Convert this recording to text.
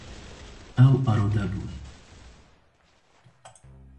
Ew arode bûn.